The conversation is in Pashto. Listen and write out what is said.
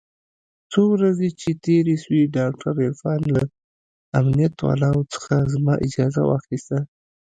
څو ورځې چې تېرې سوې ډاکتر عرفان له امنيت والاو څخه زما اجازه واخيسته.